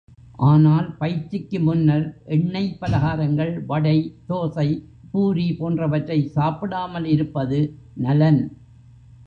ஆனால் பயிற்சிக்கு முன்னர் எண்ணெய் பலகாரங்கள், வடை, தோசை, பூரி போன்றவற்றை சாப்பிடாமல் இருப்பது நலன்.